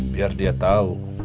biar dia tahu